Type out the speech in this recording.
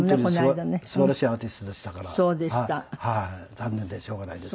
残念でしょうがないです。